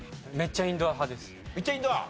めっちゃインドア？